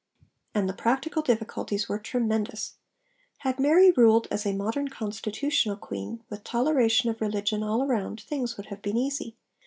And the practical difficulties were tremendous. Had Mary ruled as a modern constitutional Queen, with toleration of religion all around, things would have been easy.